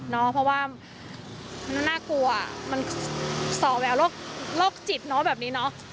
เนาะเพราะว่าน่ากลัวมันสอกแหวะโรคโรคจิตเนาะแบบนี้เนาะ